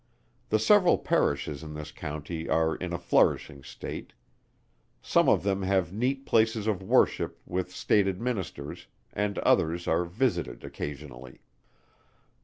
The several parishes in this county are in a flourishing state. Some of them have neat places of worship with stated Ministers, and others are visited occasionally.